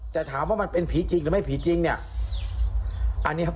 แต่ถามว่ามันเป็นผีจริงหรือไม่ผีจริงเนี่ยอันนี้ครับ